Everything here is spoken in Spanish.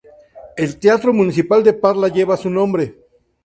El Teatro municipal de Parla lleva su nombre.